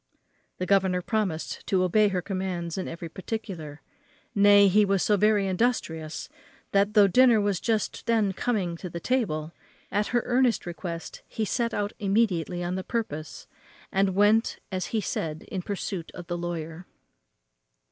The governor promised to obey her commands in every particular; nay, he was so very industrious, that, though dinner was just then coming upon the table, at her earnest request he set out immediately on the purpose, and went as he said in pursuit of the lawyer.